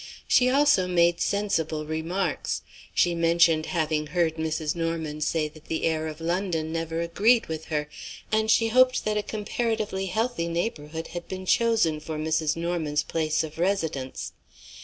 She also made sensible remarks. She mentioned having heard Mrs. Norman say that the air of London never agreed with her; and she hoped that a comparatively healthy neighborhood had been chosen for Mrs. Norman's place of residence.